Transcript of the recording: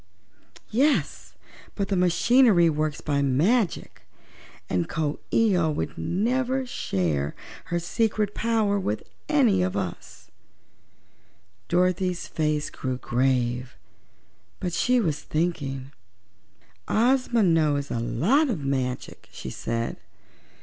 "Yes; but the machinery works by magic, and Coo ee oh would never share her secret power with any one of us." Dorothy's face grew grave; but she was thinking. "Ozma knows a lot of magic," she said.